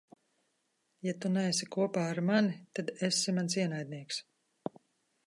Ja tu neesi kopā ar mani, tad esi mans ienaidnieks.